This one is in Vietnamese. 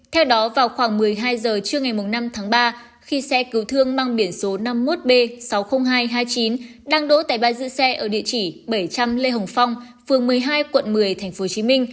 theo đó vào khoảng một mươi hai h trưa ngày năm tháng ba khi xe cứu thương mang biển số năm mươi một b sáu mươi nghìn hai trăm hai mươi chín đang đỗ tại bãi giữ xe ở địa chỉ bảy trăm linh lê hồng phong phường một mươi hai quận một mươi tp hcm